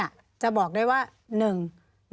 มีความรู้สึกว่ามีความรู้สึกว่า